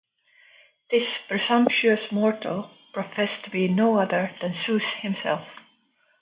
This presumptuous mortal professed to be no other than Zeus himself.